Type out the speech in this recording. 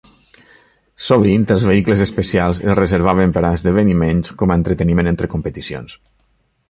Sovint, els vehicles especials es reservaven per esdeveniments com a entreteniment entre competicions.